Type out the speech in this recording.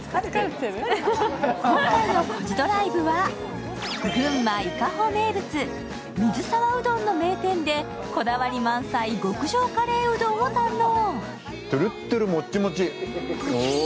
今回の「コジドライブ」は群馬・伊香保名物、水沢うどんの名店でこだわり満載、極上のカレーうどんを堪能。